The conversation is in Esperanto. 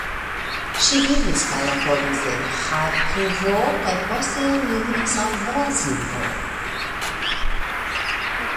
Li vivis kaj laboris en Ĥarkivo kaj poste elmigris al Brazilo.